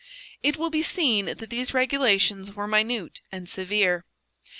It will be seen that these regulations were minute and severe.